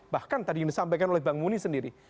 bahkan tadi yang disampaikan oleh bang muni sendiri